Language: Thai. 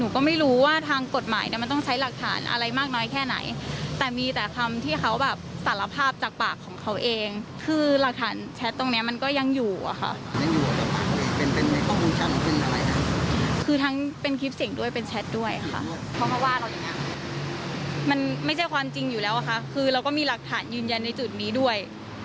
คือทั้งเป็นคลิปเสียงด้วยเป็นแชทด้วยค่ะเพราะว่าเราอย่างนั้นมันไม่ใช่ความจริงอยู่แล้วค่ะคือเราก็มีหลักฐานยืนยันในจุดนี้ด้วย